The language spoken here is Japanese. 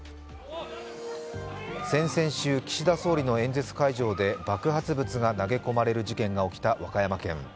先々週、岸田総理の演説会場で爆発物が投げ込まれる事件が起きた和歌山県。